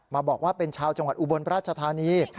บอกว่าเป็นชาวจังหวัดอุบลราชธานี